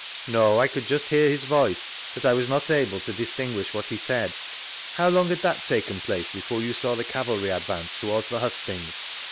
— No, I could just hear his voice, but I was not able to distinguish what h'e said. How long had that taken place before you saw the cavalry advance towards the hustings